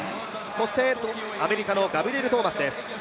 そしてアメリカのガブリエル・トーマスです。